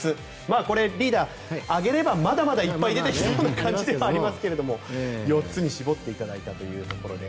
これはリーダー挙げればまだまだいっぱい出てきそうな感じではありますが４つに絞っていただいたというところで。